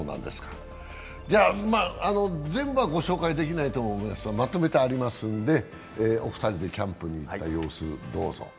じゃ、全部はご紹介できないと思いますが、まとめてありますので、お二人でキャンプに行った様子、どうぞ。